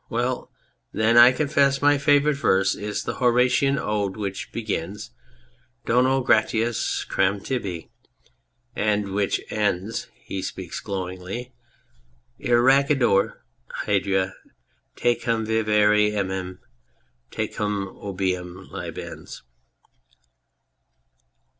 Well, then, I confess my favourite verse is the Horatian Ode which begins Donee gratus eram tibi ... and which ends (he speaks glowingly} .. Iracundior Hadria Tecum vivere amem ; tecum obeam libens